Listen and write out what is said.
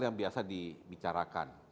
yang biasa dibicarakan